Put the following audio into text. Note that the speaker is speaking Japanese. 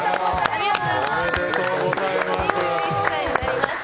ありがとうございます。